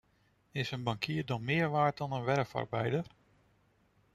Is een bankier dan meer waard dan een werfarbeider?